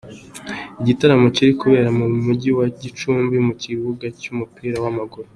Igitaramo kiri kubera mu Mujyi wa Gicumbi, mu kibuga cy’umupira w’amaguru.